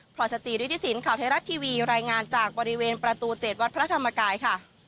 รอยสจิริธิสินข่าวไทยรัฐทีวีรายงานจากบริเวณประตู๗วัดพระธรรมกายค่ะ